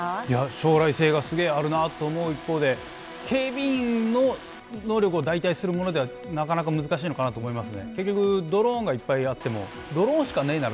将来性がすごいあるなと思う一方で警備員の能力を代替するものではなかなか難しいんではないかと思います。